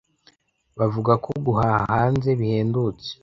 Bavuga ko guhaha hanze bihendutse.